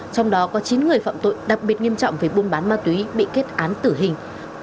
trong đó có chín người phạm tội đặc biệt nghiêm trọng về buôn bán ma túy bị kết án tử hình